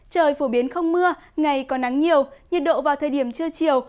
trời phổ biến không mưa ngày còn nắng nhiều nhiệt độ vào thời điểm trưa chiều